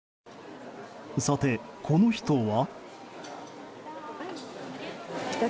さて、この人は。